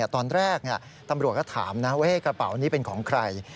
ตอนแรกตำรวจก็ถามนะว่ากระเป๋านี้เป็นของใคร